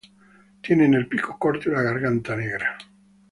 Tienen el pico corto y la garganta negra.